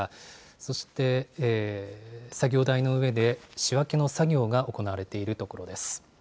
そして作業台の上で、仕分けの作業が行われているところです。